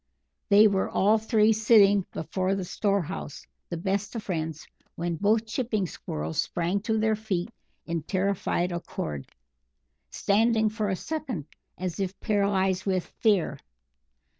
They were all three sitting before the storehouse, the best of friends, when both chipping Squirrels sprang to their feet in terrified accord, standing for a second as if paralysed with fear.